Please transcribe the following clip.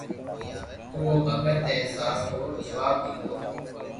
تو او ڀگت اي سال رو جواب ديديو